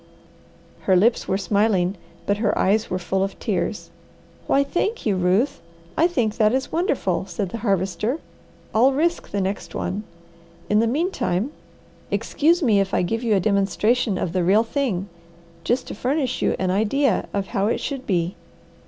Her lips were smiling, but her eyes were full of tears. "Why thank you, Ruth! I think that is wonderful," said the Harvester. "I'll risk the next one. In the meantime, excuse me if I give you a demonstration of the real thing, just to furnish you an idea of how it should be."